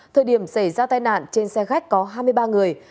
thời điểm xảy ra tai nạn trên xe khách có hai mươi ba người